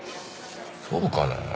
そうかなぁ。